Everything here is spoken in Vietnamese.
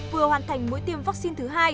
vừa hoàn thành mũi tiêm vaccine thứ hai